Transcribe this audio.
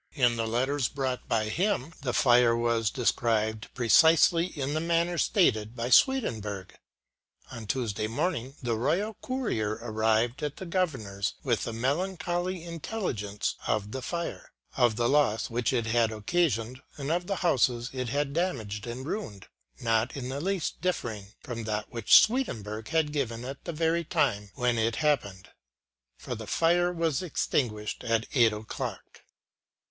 In the letters brought by him, the fire was described precisely in the manner stated by Swedenborg. On Tuesday morning the Royal Courier arrived at the Governor's with the melancholy intelligence of the fire, of the loss which it had occasioned, and of the houses it had damaged and ruined, not in the least differing from that which Swedenborg had given at the very time when it happened ; for the fire was extinguished at eight o'clock.